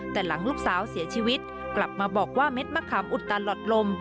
แต่หลังลูกสาวเสียชีวิตกลับมาบอกว่าเม็ดมะขามอุดตันหลอดลม